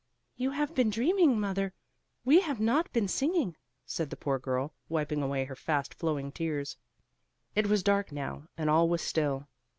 '" "You have been dreaming, mother; we have not been singing," said the poor girl, wiping away her fast flowing tears. It was dark now and all was still.